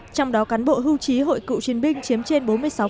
trong đó cán bộ hưu trí hội cựu chiến binh chiếm trên bốn mươi sáu